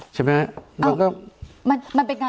ใช่ไหม